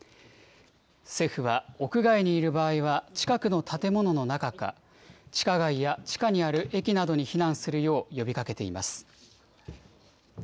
政府は屋外にいる場合は、近くの建物の中か、地下街や地下にある駅などに避難するよう呼びかけています。